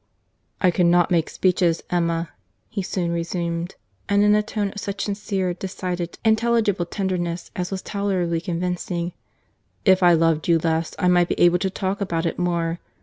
"I cannot make speeches, Emma:" he soon resumed; and in a tone of such sincere, decided, intelligible tenderness as was tolerably convincing.—"If I loved you less, I might be able to talk about it more.